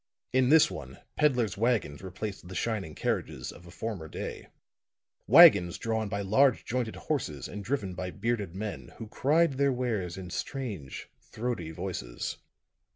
In this one peddler's wagons replaced the shining carriages of a former day wagons drawn by large jointed horses and driven by bearded men who cried their wares in strange, throaty voices.